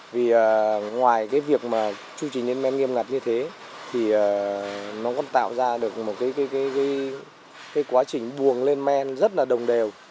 vì ngoài cái việc mà chu trình lên men nghiêm ngặt như thế thì nó cũng tạo ra được một cái quá trình buồng lên men rất là đồng đều